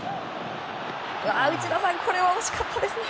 内田さん、これは惜しかったですね。